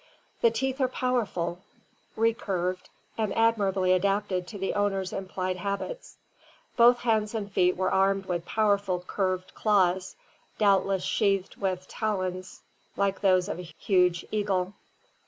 The teeth are powerful, recurved, and admirably adapted to the owner's implied habits. Both hands and feet were armed with powerful curved claws, doubtless sheathed with talons like those of a huge eagle.